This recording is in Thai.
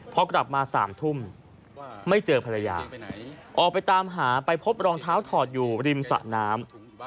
พอกลับมา๓ทุ่มไม่เจอภรรยาออกไปตามหาไปพบรองเท้าถอดอยู่ริมสะน้ำ